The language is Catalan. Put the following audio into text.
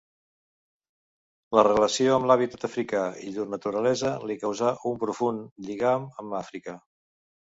La relació amb l'hàbitat africà i llur naturalesa li causà un profund lligam amb Àfrica.